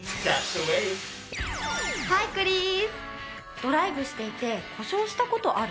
ドライブしていて故障した事ある？